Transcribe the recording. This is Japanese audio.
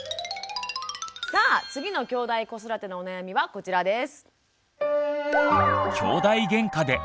さあ次のきょうだい子育てのお悩みはこちらです。